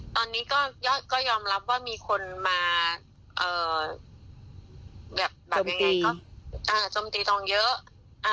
ตอนนี้ก็ยอมรับว่ามีคนมาแบบยังไงก็จมตีตองเยอะ